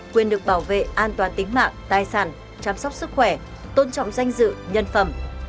quyền được bảo vệ an toàn tính mạng tài sản chăm sóc sức khỏe tôn trọng danh dự nhân phẩm